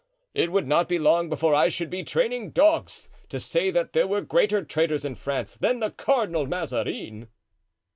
it would not be long before I should be training dogs to say that there were greater traitors in France than the Cardinal Mazarin!"